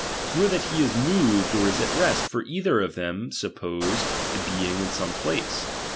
Nor that he is moved or is at rest ; for either of them suppose a being in some place.